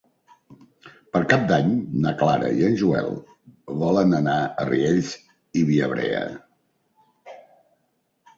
Per Cap d'Any na Clara i en Joel volen anar a Riells i Viabrea.